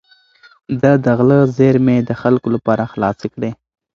ده د غلو زېرمې د خلکو لپاره خلاصې کړې.